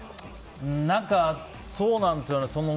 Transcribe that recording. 何か、そうなんですよね。